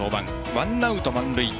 ワンアウト満塁。